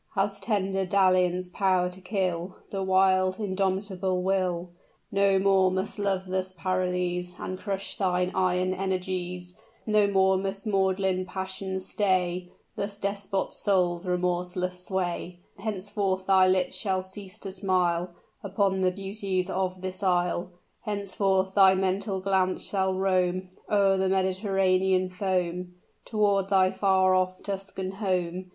Has tender dalliance power to kill The wild, indomitable will? No more must love thus paralyze And crush thine iron energies; No more must maudlin passion stay Thy despot soul's remorseless sway; Henceforth thy lips shall cease to smile Upon the beauties of this Isle; Henceforth thy mental glance shall roam, O'er the Mediterranean foam, Toward thy far off Tuscan home!